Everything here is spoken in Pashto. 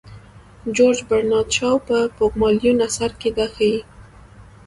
جورج برنارد شاو په پوګمالیون اثر کې دا ښيي.